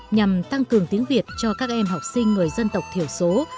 nhằm tăng cường tiếng việt cho các em học sinh người dân tộc thiểu số